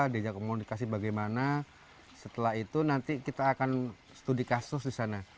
diajak komunikasi bagaimana setelah itu nanti kita akan studi kasus di sana